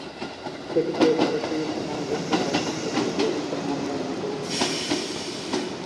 সেটিকে ভারতীয় উপমহাদেশের প্রথম সুসংগঠিত আমবাগান বলে মনে করা হয়।